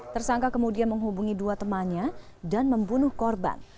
tersangka kemudian menghubungi dua temannya dan membunuh korban